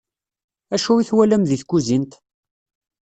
Acu i twalam di tkuzint?